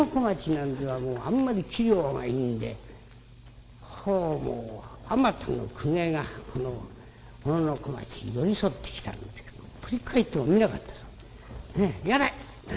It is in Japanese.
なんてえのはあんまり器量がいいんで方々あまたの公家がこの小野小町に寄り添ってきたんですけど振り返ってもみなかったそうで。